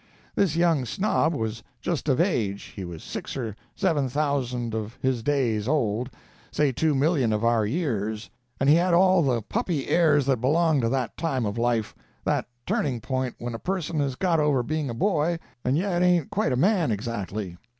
This young snob was just of age—he was six or seven thousand of his days old—say two million of our years—and he had all the puppy airs that belong to that time of life—that turning point when a person has got over being a boy and yet ain't quite a man exactly.